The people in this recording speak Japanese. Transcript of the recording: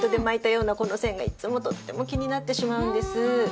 巻いたようなこの線がいつもとても気になってしまうんです。